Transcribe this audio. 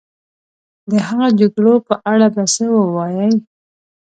د هغو جګړو په اړه به څه ووایې.